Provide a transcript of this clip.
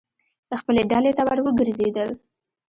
خپلې ډلې ته ور وګرځېدل.